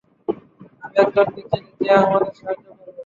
আমি একজনকে চিনি যে আমাদের সাহায্য করবে।